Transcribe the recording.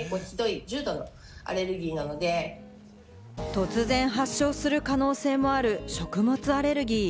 突然発症する可能性もある食物アレルギー。